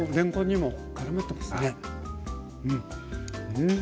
うん。